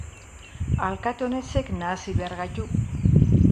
Alkate honexek nahasi behar gaitu.